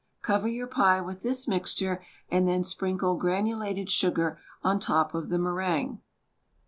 Cover your pie with this mixture and then sprinkle granulated sugar on top of the meringue.